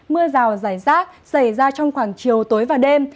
mưa rào rải rác xảy ra trong khoảng chiều tối và đêm